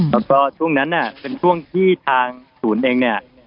แล้วก็ช่วงนั้นเป็นช่วงที่ทางศูนย์เองเนี่ย